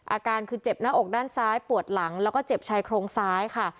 อาการคือเจ็บหน้าอกด้านซ้ายปวดหลังแล้วก็เจ็บชายโครงซ้ายค่ะ